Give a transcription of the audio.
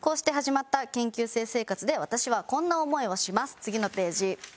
次のページ。